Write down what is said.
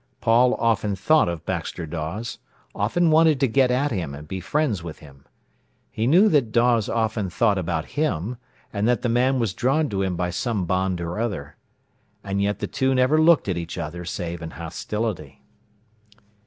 Paul often thought of Baxter Dawes, often wanted to get at him and be friends with him. He knew that Dawes often thought about him, and that the man was drawn to him by some bond or other. And yet the two never looked at each other save in hostility.